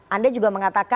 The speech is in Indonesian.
anda juga mengatakan